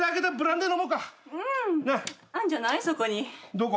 どこ？